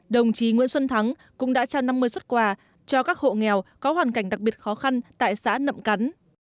đồng chí nguyễn xuân thắng cũng đã trao năm mươi xuất quà cho các hộ nghèo có hoàn cảnh đặc biệt khó khăn tại xã nậm cắn